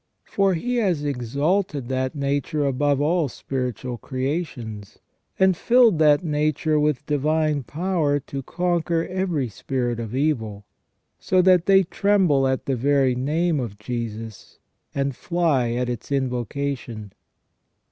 For He has exalted that nature above all spiritual creations, and filled that nature with divine power to conquer every spirit of evil, so that they tremble at the very name of Jesus, and fly at its invocation.